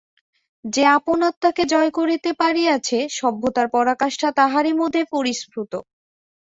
যে আপন আত্মাকে জয় করিতে পারিয়াছে, সভ্যতার পরাকাষ্ঠা তাহারই মধ্যে পরিস্ফুট।